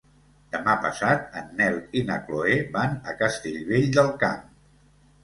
Demà passat en Nel i na Chloé van a Castellvell del Camp.